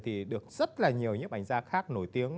thì được rất là nhiều nhiếp ảnh ra khác nổi tiếng